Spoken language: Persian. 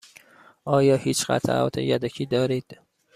آیا هیچ قطعات یدکی دارید؟